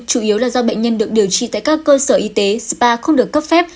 chủ yếu là do bệnh nhân được điều trị tại các cơ sở y tế spa không được cấp phép